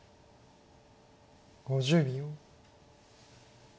５０秒。